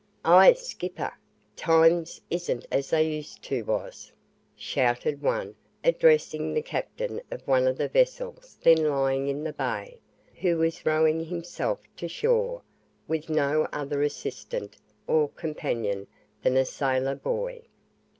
"Ah, skipper! times isn't as they used to was," shouted one, addressing the captain of one of the vessels then lying in the bay, who was rowing himself to shore, with no other assistant or companion than a sailor boy.